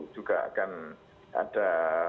juga akan ada